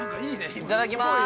いただきまーす。